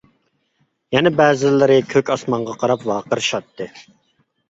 يەنە بەزىلىرى كۆك ئاسمانغا قاراپ ۋارقىرىشاتتى.